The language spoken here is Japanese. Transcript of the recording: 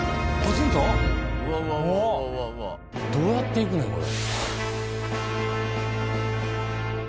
どうやって行くねんこれ。